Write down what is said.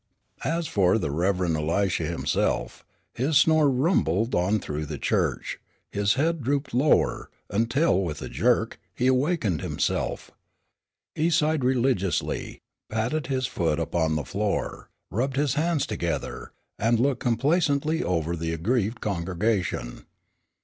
[Illustration: UNCLE ISHAM DYER EXHORTS.] As for the Rev. Elisha himself, his snore rumbled on through the church, his head drooped lower, until with a jerk, he awakened himself. He sighed religiously, patted his foot upon the floor, rubbed his hands together, and looked complacently over the aggrieved congregation.